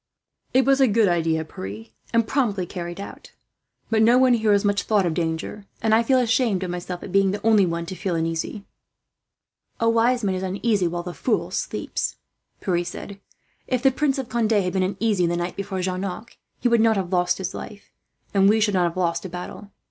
"It was a good idea, Pierre, and promptly carried out. But no one here has much thought of danger, and I feel ashamed of myself at being the only one to feel uneasy." "The wise man is uneasy while the fool sleeps," Pierre said. "If the Prince of Conde had been uneasy, the night before Jarnac, he would not have lost his life, and we should not have lost a battle.